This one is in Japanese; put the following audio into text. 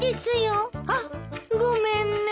あっごめんね。